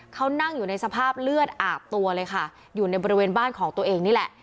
เขานั่งอยู่ในสภาพเลือดอาบตัวเลยค่ะอยู่ในบริเวณบ้านของตัวเองนี่แหละ